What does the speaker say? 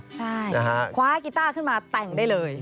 ใช่คว้ากีต้าขึ้นมาแต่งได้เลย